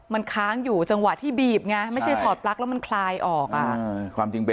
มันค้างอยู่ตรงนั้นหมดเลยอือ